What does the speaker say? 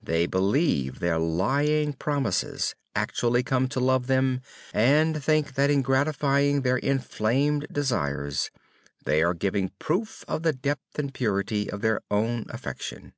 They believe their lying promises, actually come to love them, and think that in gratifying their inflamed desires, they are giving a proof of the depth and purity of their own affection.